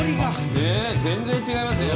ねっ全然違いますね。